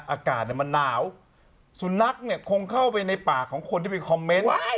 อากาศมันหนาวสุนัขเนี่ยคงเข้าไปในปากของคนที่ไปคอมเมนต์